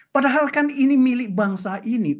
padahalkan ini milik bangsa ini